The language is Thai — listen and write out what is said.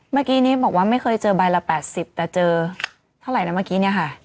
เมื่อกี้นี้บอกว่าไม่เคยเจอใบละ๘๐แต่เจอเท่าไหร่นะเมื่อกี้เนี่ยค่ะ